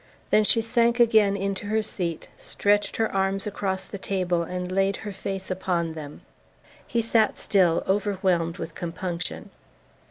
Then she sank again into her seat, stretched her arms across the table and laid her face upon them. He sat still, overwhelmed with compunction.